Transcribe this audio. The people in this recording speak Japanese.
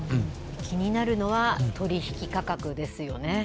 気になるのは、取り引き価格ですよね。